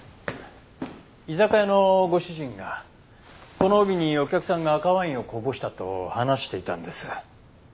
居酒屋のご主人がこの帯にお客さんが赤ワインをこぼしたと話していたんです。